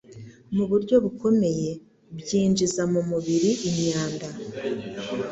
mu buryo bukomeye. Byinjiza mu mubiri imyanda.